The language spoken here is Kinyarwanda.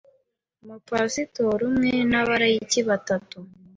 mupasitori umwe n abalayiki batatu